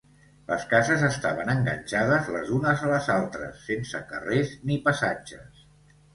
Les cases estaven enganxades les unes a les altres, sense carrers ni passatges.